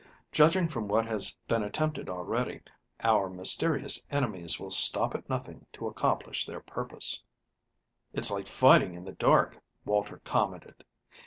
Judging from what has been attempted already, our mysterious enemies will stop at nothing to accomplish their purpose." "It's like fighting in the dark," Walter commented.